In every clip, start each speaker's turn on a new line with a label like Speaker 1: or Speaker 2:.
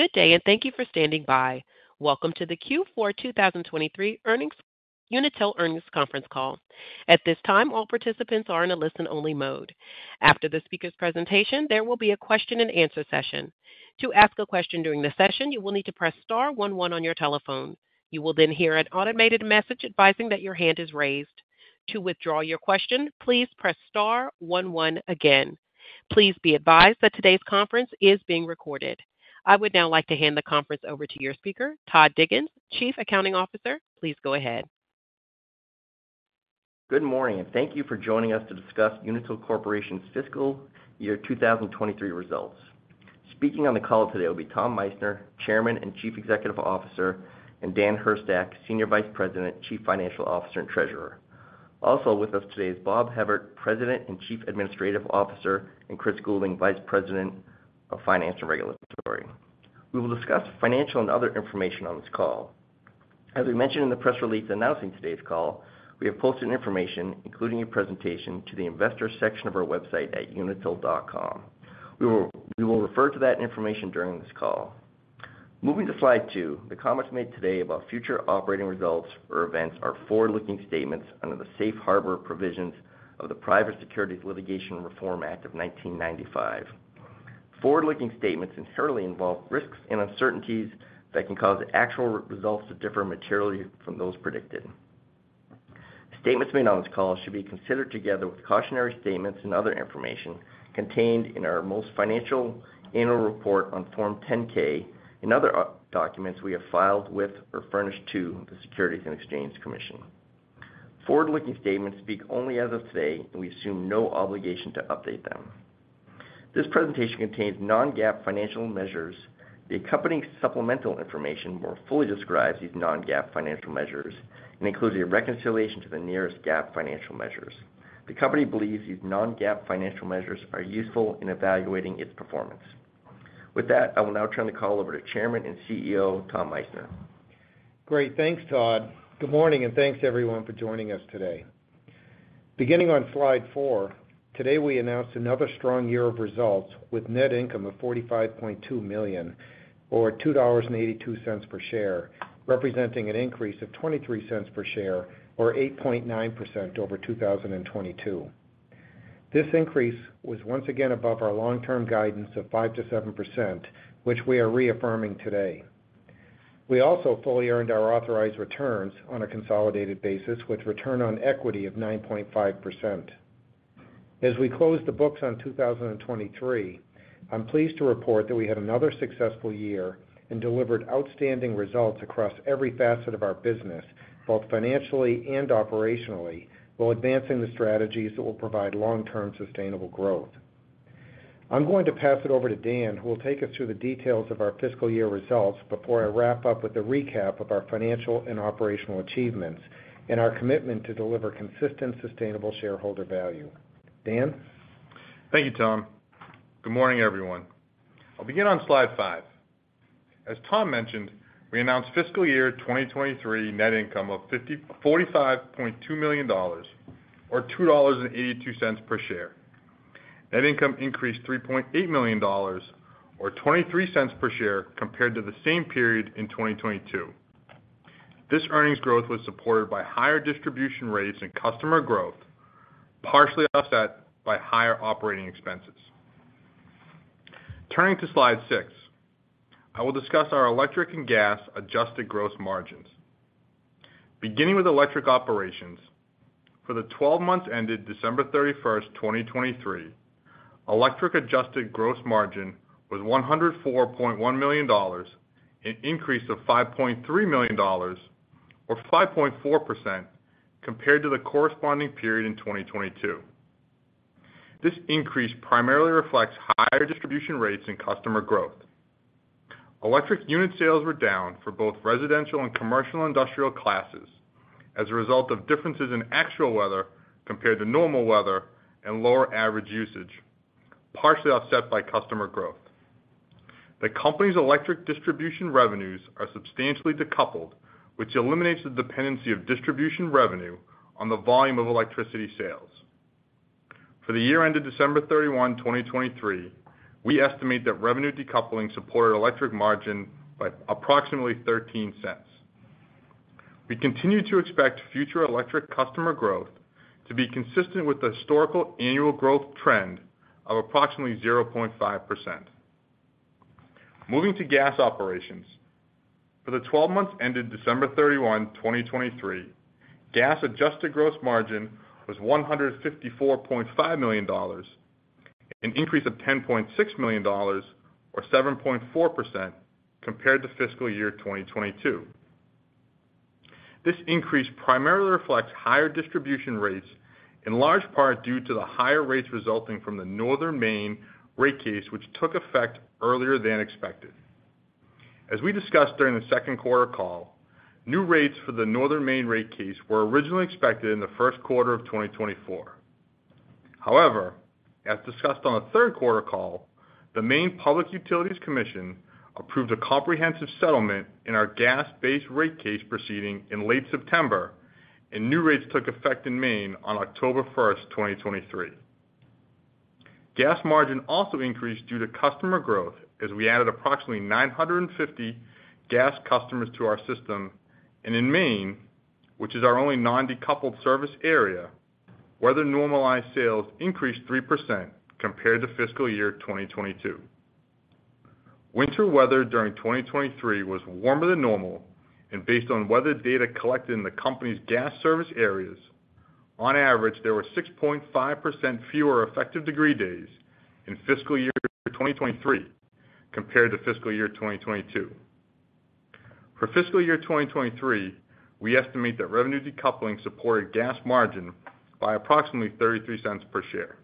Speaker 1: Good day and thank you for standing by. Welcome to the Q4 2023 Unitil Earnings conference call. At this time, all participants are in a listen-only mode. After the speaker's presentation, there will be a question-and-answer session. To ask a question during the session, you will need to press star one one on your telephone. You will then hear an automated message advising that your hand is raised. To withdraw your question, please press star one one again. Please be advised that today's conference is being recorded. I would now like to hand the conference over to your speaker, Todd Diggins, Chief Accounting Officer. Please go ahead.
Speaker 2: Good morning, and thank you for joining us to discuss Unitil Corporation's fiscal year 2023 results. Speaking on the call today will be Tom Meissner, Chairman and Chief Executive Officer, and Dan Hurstak, Senior Vice President, Chief Financial Officer and Treasurer. Also with us today is Bob Hevert, President and Chief Administrative Officer, and Chris Goulding, Vice President of Finance and Regulatory. We will discuss financial and other information on this call. As we mentioned in the press release announcing today's call, we have posted information including a presentation to the investor section of our website at unitil.com. We will refer to that information during this call. Moving to slide two, the comments made today about future operating results or events are forward-looking statements under the Safe Harbor provisions of the Private Securities Litigation Reform Act of 1995. Forward-looking statements inherently involve risks and uncertainties that can cause actual results to differ materially from those predicted. Statements made on this call should be considered together with cautionary statements and other information contained in our most recent annual report on Form 10-K and other documents we have filed with or furnished to the Securities and Exchange Commission. Forward-looking statements speak only as of today, and we assume no obligation to update them. This presentation contains non-GAAP financial measures. The accompanying supplemental information more fully describes these non-GAAP financial measures and includes a reconciliation to the nearest GAAP financial measures. The company believes these non-GAAP financial measures are useful in evaluating its performance. With that, I will now turn the call over to Chairman and CEO Tom Meissner.
Speaker 3: Great. Thanks, Todd. Good morning, and thanks everyone for joining us today. Beginning on slide four, today we announced another strong year of results with net income of $45.2 million, or $2.82 per share, representing an increase of $0.23 per share, or 8.9% over 2022. This increase was once again above our long-term guidance of 5%-7%, which we are reaffirming today. We also fully earned our authorized returns on a consolidated basis with return on equity of 9.5%. As we close the books on 2023, I'm pleased to report that we had another successful year and delivered outstanding results across every facet of our business, both financially and operationally, while advancing the strategies that will provide long-term sustainable growth. I'm going to pass it over to Dan, who will take us through the details of our fiscal year results before I wrap up with a recap of our financial and operational achievements and our commitment to deliver consistent sustainable shareholder value. Dan?
Speaker 4: Thank you, Tom. Good morning, everyone. I'll begin on slide five. As Tom mentioned, we announced fiscal year 2023 net income of $45.2 million, or $2.82 per share. Net income increased $3.8 million, or $0.23 per share, compared to the same period in 2022. This earnings growth was supported by higher distribution rates and customer growth, partially offset by higher operating expenses. Turning to slide six, I will discuss our electric and gas adjusted gross margins. Beginning with electric operations, for the 12 months ended 31st December 2023, electric adjusted gross margin was $104.1 million, an increase of $5.3 million, or 5.4% compared to the corresponding period in 2022. This increase primarily reflects higher distribution rates and customer growth. Electric unit sales were down for both residential and commercial industrial classes as a result of differences in actual weather compared to normal weather and lower average usage, partially offset by customer growth. The company's electric distribution revenues are substantially decoupled, which eliminates the dependency of distribution revenue on the volume of electricity sales. For the year ended 31st December 2023, we estimate that revenue decoupling supported electric margin by approximately $0.13. We continue to expect future electric customer growth to be consistent with the historical annual growth trend of approximately 0.5%. Moving to gas operations, for the 12 months ended December 31st, 2023, gas adjusted gross margin was $154.5 million, an increase of $10.6 million, or 7.4% compared to fiscal year 2022. This increase primarily reflects higher distribution rates, in large part due to the higher rates resulting from the Northern Maine rate case, which took effect earlier than expected. As we discussed during the second quarter call, new rates for the Northern Maine rate case were originally expected in the first quarter of 2024. However, as discussed on the third quarter call, the Maine Public Utilities Commission approved a comprehensive settlement in our gas base rate case proceeding in late September, and new rates took effect in Maine on October 1st, 2023. Gas margin also increased due to customer growth as we added approximately 950 gas customers to our system, and in Maine, which is our only non-decoupled service area, weather normalized sales increased 3% compared to fiscal year 2022. Winter weather during 2023 was warmer than normal, and based on weather data collected in the company's gas service areas, on average there were 6.5% fewer Effective Degree Days in fiscal year 2023 compared to fiscal year 2022. For fiscal year 2023, we estimate that revenue decoupling supported gas margin by approximately $0.33 per share.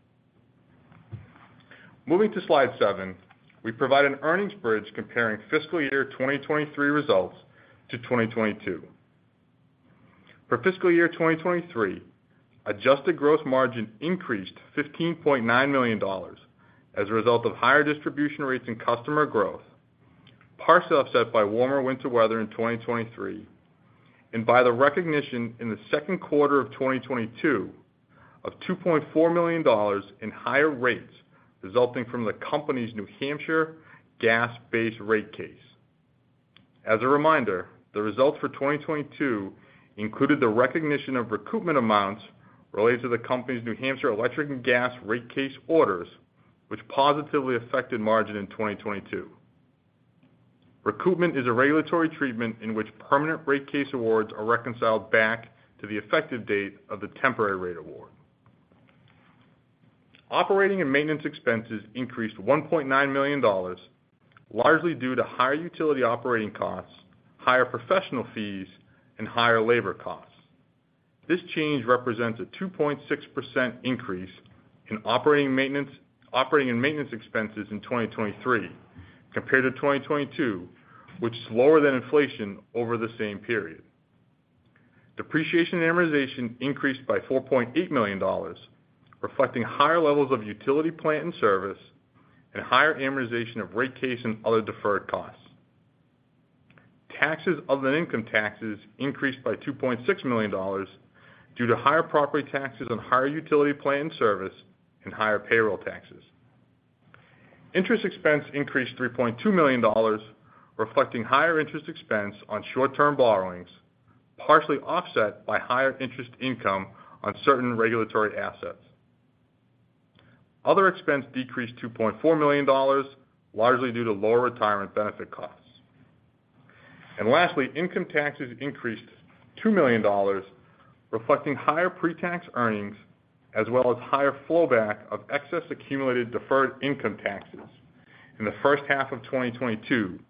Speaker 4: Moving to slide seven, we provide an earnings bridge comparing fiscal year 2023 results to 2022. For fiscal year 2023, adjusted gross margin increased $15.9 million as a result of higher distribution rates and customer growth, partially offset by warmer winter weather in 2023, and by the recognition in the second quarter of 2022 of $2.4 million in higher rates resulting from the company's New Hampshire gas base rate case. As a reminder, the results for 2022 included the recognition of recoupment amounts related to the company's New Hampshire electric and gas rate case orders, which positively affected margin in 2022. Recoupment is a regulatory treatment in which permanent rate case awards are reconciled back to the effective date of the temporary rate award. Operating and maintenance expenses increased $1.9 million, largely due to higher utility operating costs, higher professional fees, and higher labor costs. This change represents a 2.6% increase in operating and maintenance expenses in 2023 compared to 2022, which is lower than inflation over the same period. Depreciation and amortization increased by $4.8 million, reflecting higher levels of utility plant and service and higher amortization of rate case and other deferred costs. Taxes other than income taxes increased by $2.6 million due to higher property taxes on higher utility plant in service and higher payroll taxes. Interest expense increased $3.2 million, reflecting higher interest expense on short-term borrowings, partially offset by higher interest income on certain regulatory assets. Other expense decreased $2.4 million, largely due to lower retirement benefit costs. Lastly, income taxes increased $2 million, reflecting higher pre-tax earnings as well as higher flowback of excess accumulated deferred income taxes in the H1 of 2022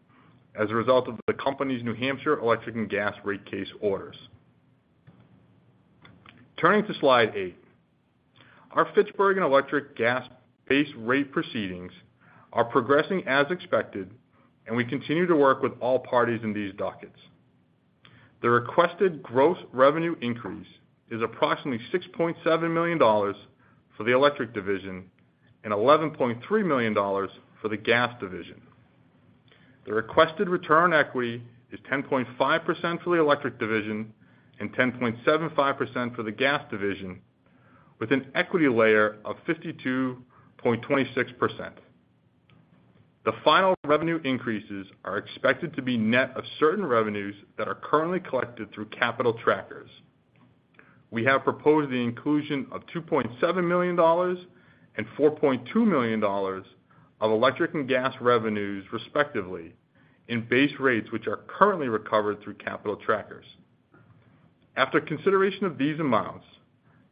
Speaker 4: as a result of the company's New Hampshire electric and gas rate case orders. Turning to slide eight, our Fitchburg electric and gas base rate proceedings are progressing as expected, and we continue to work with all parties in these dockets. The requested gross revenue increase is approximately $6.7 million for the electric division and $11.3 million for the gas division. The requested return on equity is 10.5% for the electric division and 10.75% for the gas division, with an equity layer of 52.26%. The final revenue increases are expected to be net of certain revenues that are currently collected through capital trackers. We have proposed the inclusion of $2.7 million and $4.2 million of electric and gas revenues, respectively, in base rates which are currently recovered through capital trackers. After consideration of these amounts,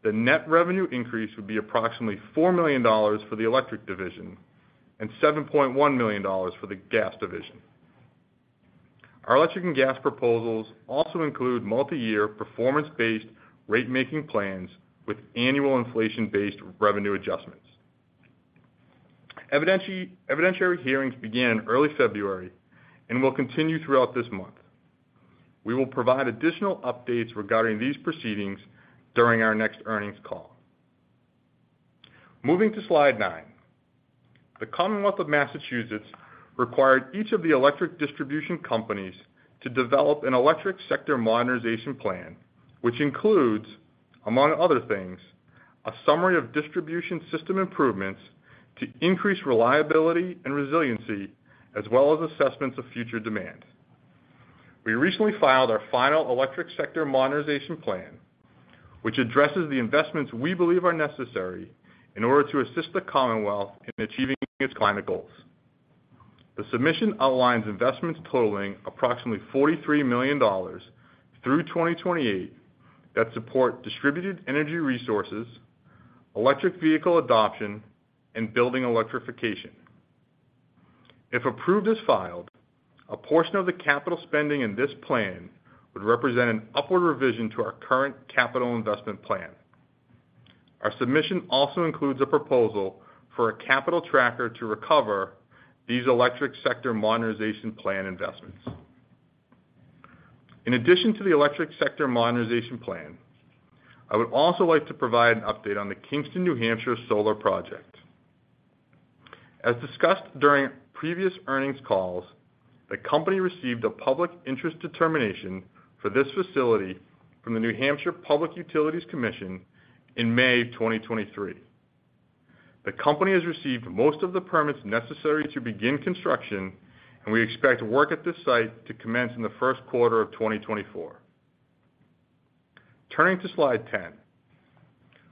Speaker 4: the net revenue increase would be approximately $4 million for the electric division and $7.1 million for the gas division. Our electric and gas proposals also include multi-year performance-based rate-making plans with annual inflation-based revenue adjustments. Evidentiary hearings began in early February and will continue throughout this month. We will provide additional updates regarding these proceedings during our next earnings call. Moving to slide nine, the Commonwealth of Massachusetts required each of the electric distribution companies to develop an Electric Sector Modernization Plan, which includes, among other things, a summary of distribution system improvements to increase reliability and resiliency, as well as assessments of future demand. We recently filed our final Electric Sector Modernization Plan, which addresses the investments we believe are necessary in order to assist the Commonwealth in achieving its climate goals. The submission outlines investments totaling approximately $43 million through 2028 that support distributed energy resources, electric vehicle adoption, and building electrification. If approved as filed, a portion of the capital spending in this plan would represent an upward revision to our current capital investment plan. Our submission also includes a proposal for a capital tracker to recover these Electric Sector Modernization Plan investments. In addition to the Electric Sector Modernization Plan, I would also like to provide an update on the Kingston New Hampshire solar project. As discussed during previous earnings calls, the company received a public interest determination for this facility from the New Hampshire Public Utilities Commission in May 2023. The company has received most of the permits necessary to begin construction, and we expect work at this site to commence in the first quarter of 2024. Turning to slide 10,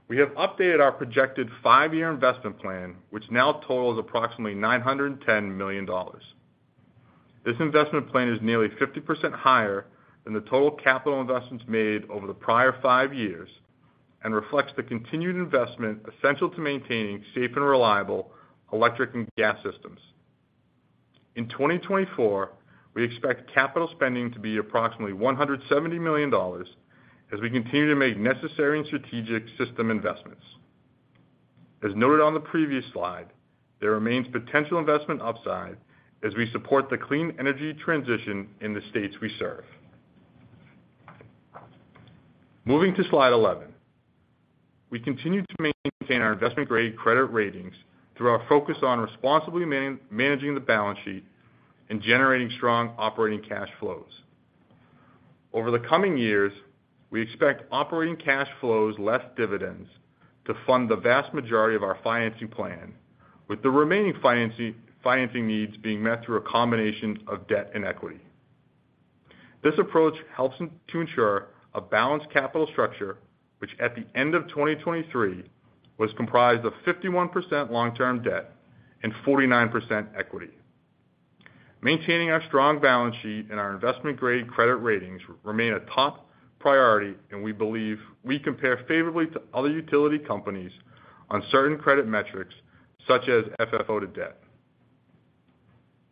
Speaker 4: we have updated our projected five-year investment plan, which now totals approximately $910 million. This investment plan is nearly 50% higher than the total capital investments made over the prior five years and reflects the continued investment essential to maintaining safe and reliable electric and gas systems. In 2024, we expect capital spending to be approximately $170 million as we continue to make necessary and strategic system investments. As noted on the previous slide, there remains potential investment upside as we support the clean energy transition in the states we serve. Moving to slide 11, we continue to maintain our investment-grade credit ratings through our focus on responsibly managing the balance sheet and generating strong operating cash flows. Over the coming years, we expect operating cash flows less dividends to fund the vast majority of our financing plan, with the remaining financing needs being met through a combination of debt and equity. This approach helps to ensure a balanced capital structure, which at the end of 2023 was comprised of 51% long-term debt and 49% equity. Maintaining our strong balance sheet and our investment-grade credit ratings remain a top priority, and we compare favorably to other utility companies on certain credit metrics such as FFO to debt.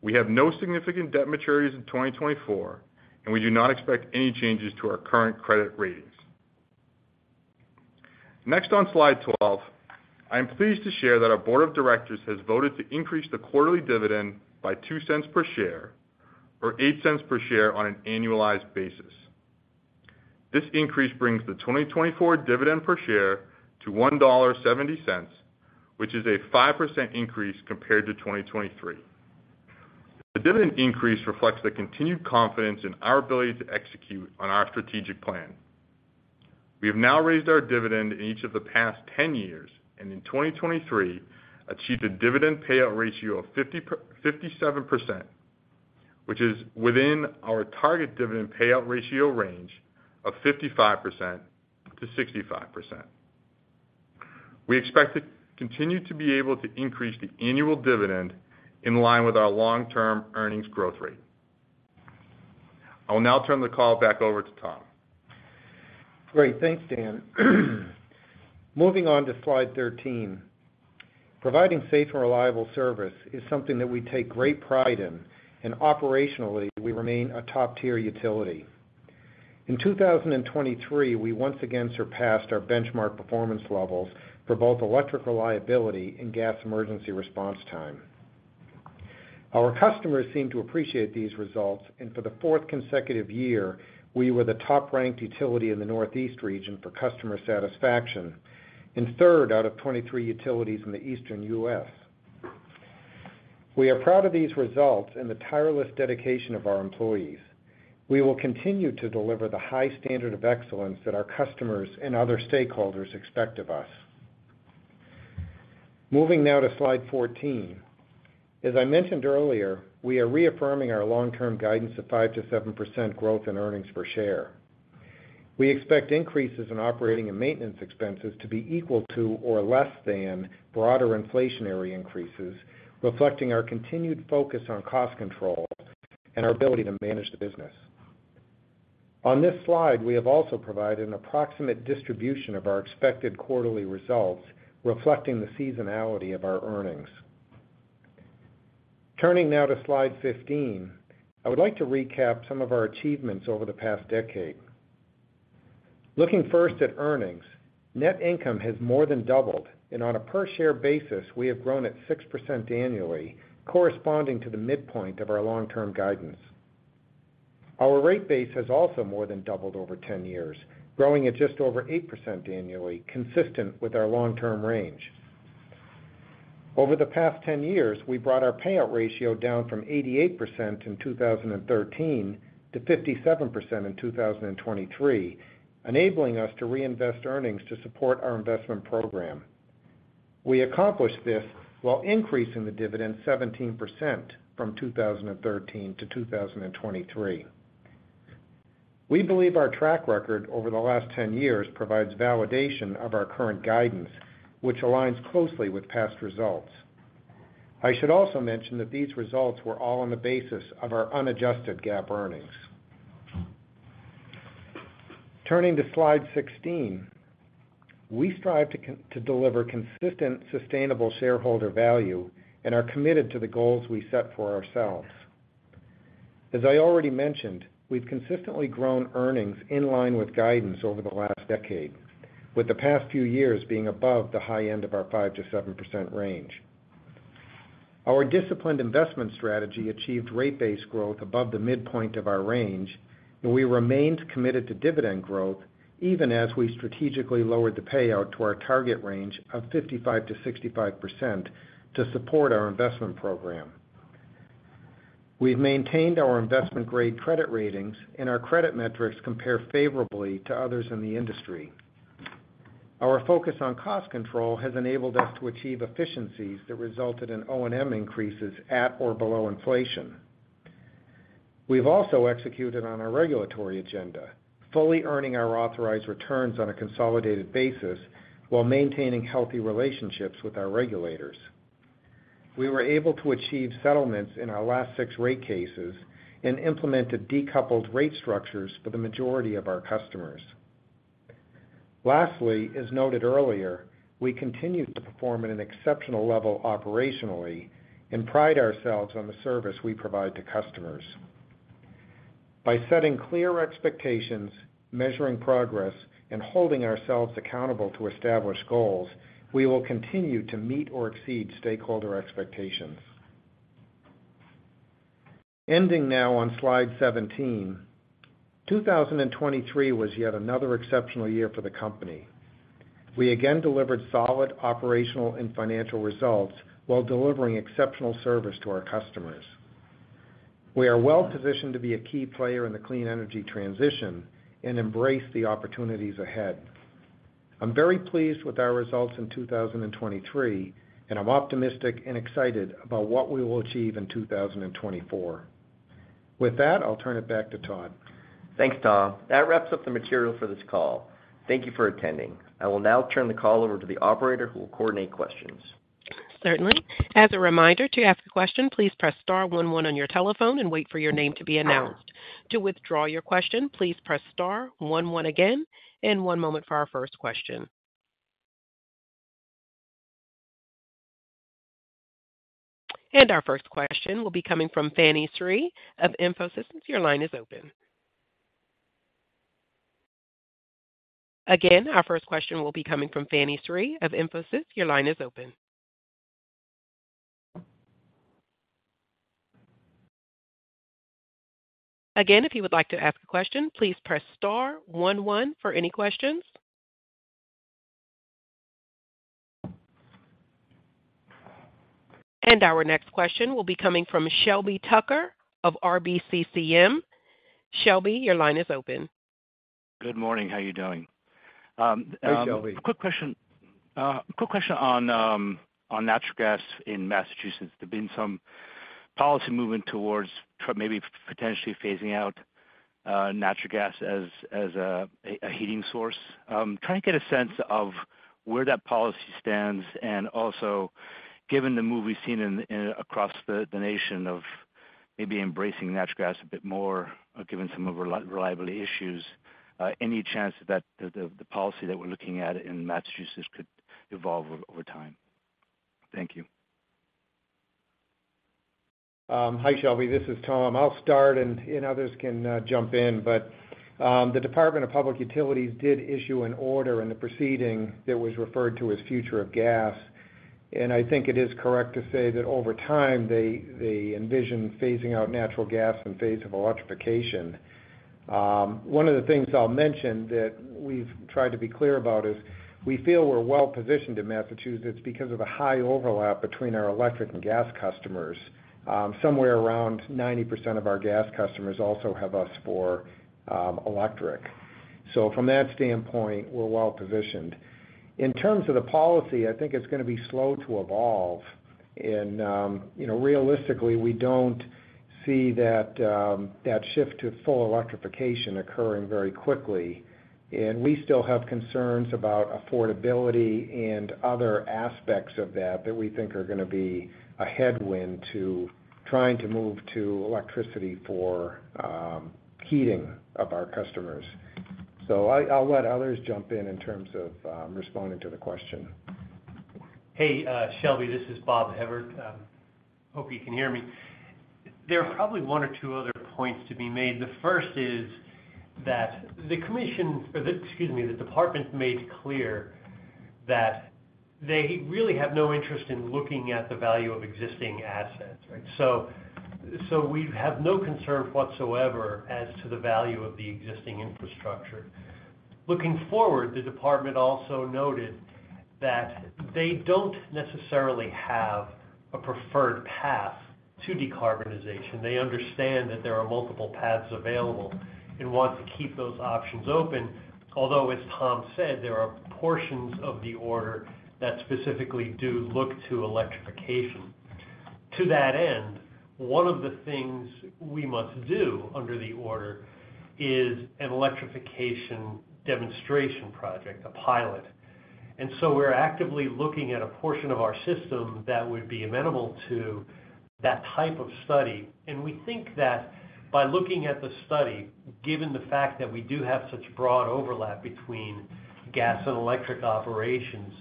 Speaker 4: We have no significant debt maturities in 2024, and we do not expect any changes to our current credit ratings. Next on slide 12, I am pleased to share that our board of directors has voted to increase the quarterly dividend by $0.02 per share, or $0.08 per share, on an annualized basis. This increase brings the 2024 dividend per share to $1.70, which is a 5% increase compared to 2023. The dividend increase reflects the continued confidence in our ability to execute on our strategic plan. We have now raised our dividend in each of the past 10 years and in 2023 achieved a dividend payout ratio of 57%, which is within our target dividend payout ratio range of 55%-65%. We expect to continue to be able to increase the annual dividend in line with our long-term earnings growth rate. I will now turn the call back over to Todd.
Speaker 3: Great. Thanks, Dan. Moving on to slide 13, providing safe and reliable service is something that we take great pride in, and operationally we remain a top-tier utility. In 2023, we once again surpassed our benchmark performance levels for both electric reliability and gas emergency response time. Our customers seem to appreciate these results, and for the fourth consecutive year, we were the top-ranked utility in the Northeast region for customer satisfaction and third out of 23 utilities in the Eastern US. We are proud of these results and the tireless dedication of our employees. We will continue to deliver the high standard of excellence that our customers and other stakeholders expect of us. Moving now to slide 14, as I mentioned earlier, we are reaffirming our long-term guidance of 5%-7% growth in earnings per share. We expect increases in operating and maintenance expenses to be equal to or less than broader inflationary increases, reflecting our continued focus on cost control and our ability to manage the business. On this slide, we have also provided an approximate distribution of our expected quarterly results, reflecting the seasonality of our earnings. Turning now to slide 15, I would like to recap some of our achievements over the past decade. Looking first at earnings, net income has more than doubled, and on a per-share basis, we have grown at 6% annually, corresponding to the midpoint of our long-term guidance. Our rate base has also more than doubled over 10 years, growing at just over 8% annually, consistent with our long-term range. Over the past 10 years, we brought our payout ratio down from 88% in 2013 to 57% in 2023, enabling us to reinvest earnings to support our investment program. We accomplished this while increasing the dividend 17% from 2013 to 2023. We believe our track record over the last 10 years provides validation of our current guidance, which aligns closely with past results. I should also mention that these results were all on the basis of our unadjusted GAAP earnings. Turning to slide 16, we strive to deliver consistent, sustainable shareholder value and are committed to the goals we set for ourselves. As I already mentioned, we've consistently grown earnings in line with guidance over the last decade, with the past few years being above the high end of our 5%-7% range. Our disciplined investment strategy achieved rate-based growth above the midpoint of our range, and we remained committed to dividend growth even as we strategically lowered the payout to our target range of 55%-65% to support our investment program. We've maintained our investment-grade credit ratings, and our credit metrics compare favorably to others in the industry. Our focus on cost control has enabled us to achieve efficiencies that resulted in O&M increases at or below inflation. We've also executed on our regulatory agenda, fully earning our authorized returns on a consolidated basis while maintaining healthy relationships with our regulators. We were able to achieve settlements in our last six rate cases and implemented decoupled rate structures for the majority of our customers. Lastly, as noted earlier, we continue to perform at an exceptional level operationally and pride ourselves on the service we provide to customers. By setting clear expectations, measuring progress, and holding ourselves accountable to established goals, we will continue to meet or exceed stakeholder expectations. Ending now on slide 17. 2023 was yet another exceptional year for the company. We again delivered solid operational and financial results while delivering exceptional service to our customers. We are well positioned to be a key player in the clean energy transition and embrace the opportunities ahead. I'm very pleased with our results in 2023, and I'm optimistic and excited about what we will achieve in 2024. With that, I'll turn it back to Todd.
Speaker 2: Thanks, Tom. That wraps up the material for this call. Thank you for attending. I will now turn the call over to the operator who will coordinate questions.
Speaker 1: Certainly. As a reminder, to ask a question, please press star one one on your telephone and wait for your name to be announced. To withdraw your question, please press star one one again. One moment for our first question. Our first question will be coming from Fanny Tsui of Bloomberg Intelligence. Your line is open. Again, our first question will be coming from Fanny Tsui of Bloomberg Intelligence. Your line is open. Again, if you would like to ask a question, please press star one one for any questions. Our next question will be coming from Shelby Tucker of RBCCM. Shelby, your line is open.
Speaker 5: Good morning. How are you doing?
Speaker 3: Hey, Shelby.
Speaker 5: Quick question on natural gas in Massachusetts. There's been some policy movement towards maybe potentially phasing out natural gas as a heating source. Trying to get a sense of where that policy stands, and also given the move we've seen across the nation of maybe embracing natural gas a bit more, given some of our reliability issues, any chance that the policy that we're looking at in Massachusetts could evolve over time? Thank you.
Speaker 3: Hi, Shelby. This is Tom. I'll start, and others can jump in. But the Department of Public Utilities did issue an order in the proceeding that was referred to as Future of Gas. And I think it is correct to say that over time they envision phasing out natural gas and phase of electrification. One of the things I'll mention that we've tried to be clear about is we feel we're well positioned in Massachusetts because of a high overlap between our electric and gas customers. Somewhere around 90% of our gas customers also have us for electric. So, from that standpoint, we're well positioned. In terms of the policy, I think it's going to be slow to evolve. And realistically, we don't see that shift to full electrification occurring very quickly. And we still have concerns about affordability and other aspects of that that we think are going to be a headwind to trying to move to electricity for heating of our customers. So, I'll let others jump in in terms of responding to the question.
Speaker 6: Hey, Shelby. This is Bob Hevert. Hope you can hear me. There are probably one or two other points to be made. The first is that the commission or the, excuse me, the department made clear that they really have no interest in looking at the value of existing assets, right? So, we have no concern whatsoever as to the value of the existing infrastructure. Looking forward, the department also noted that they don't necessarily have a preferred path to decarbonization. They understand that there are multiple paths available and want to keep those options open. Although, as Tom said, there are portions of the order that specifically do look to electrification. To that end, one of the things we must do under the order is an electrification demonstration project, a pilot. And so, we're actively looking at a portion of our system that would be amenable to that type of study. And we think that by looking at the study, given the fact that we do have such broad overlap between gas and electric operations,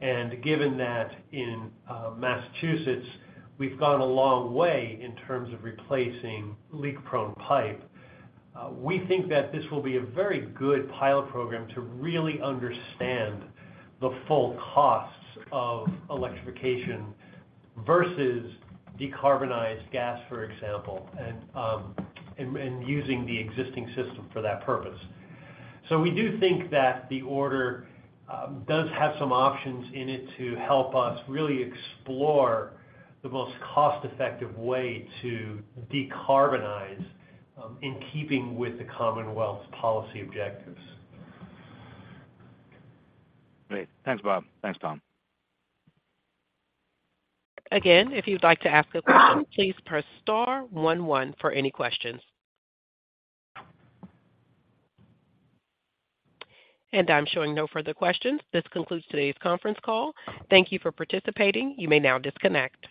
Speaker 6: and given that in Massachusetts we've gone a long way in terms of replacing leak-prone pipe, we think that this will be a very good pilot program to really understand the full costs of electrification versus decarbonized gas, for example, and using the existing system for that purpose. So, we do think that the order does have some options in it to help us really explore the most cost-effective way to decarbonize in keeping with the Commonwealth's policy objectives.
Speaker 5: Great. Thanks, Bob. Thanks, Tom.
Speaker 1: Again, if you'd like to ask a question, please press star one one for any questions. And I'm showing no further questions. This concludes today's conference call. Thank you for participating. You may now disconnect.